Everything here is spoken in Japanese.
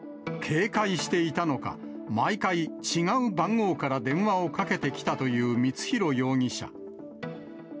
警戒していたのか、毎回、違う番号から電話をかけてきたという光弘容疑者。